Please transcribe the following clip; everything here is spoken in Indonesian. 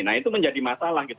nah itu menjadi masalah gitu